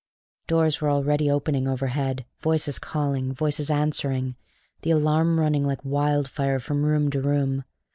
Doors were already opening overhead, voices calling, voices answering, the alarm running like wildfire from room to room.